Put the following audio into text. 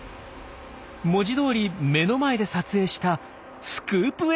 文字どおり目の前で撮影したスクープ映像です！